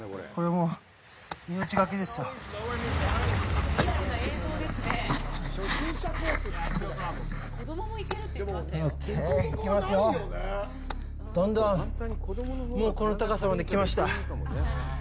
もうこの高さまで来ました。